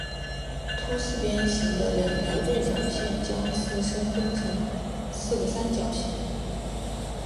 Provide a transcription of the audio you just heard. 凸四边形的两条对角线将自身分成四个三角形。